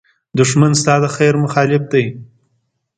دښمن ستا د خېر مخالف دی